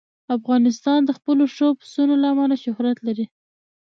افغانستان د خپلو ښو پسونو له امله شهرت لري.